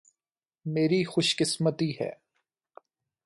میری خوش قسمتی ہے۔